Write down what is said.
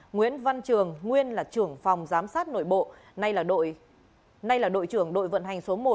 nguyễn văn trường nguyên là trưởng phòng giám sát nội bộ nay là nay là đội trưởng đội vận hành số một